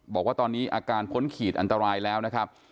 บอกว่าตอนนี้อาการพ้นขีดอันตรายแล้วนะครับ